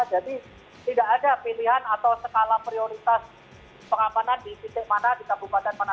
jadi tidak ada pilihan atau skala prioritas pengapanan di titik mana di kabupaten mana